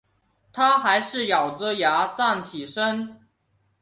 她还是咬著牙站起身